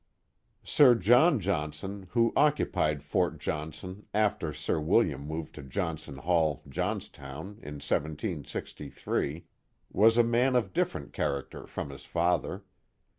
Sir John Johnson, who occupied Fort Johnson after Sir William moved to Johnson Hall, Johnstown, in 1763, was a man of different character from his father.